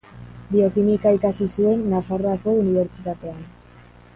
Biokimika ikasi zuen Nafarroako Unibertsitatean.